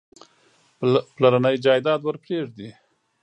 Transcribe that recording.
پلرنی جایداد ورپرېږدي.